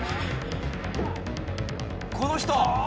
この人。